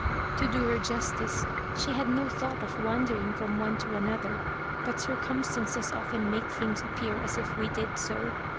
To do her justice, she had no thought of wandering from one to another; but circumstances often make things appear as if we did so.